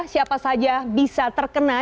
siapa saja bisa terkena